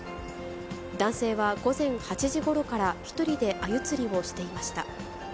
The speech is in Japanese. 男性は、午前８時ごろから１人でアユ釣りをしていました。